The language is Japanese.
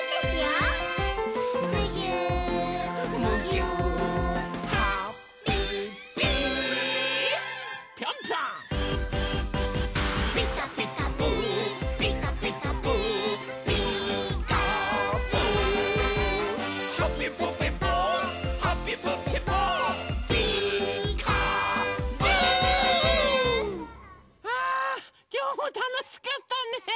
あきょうもたのしかったね！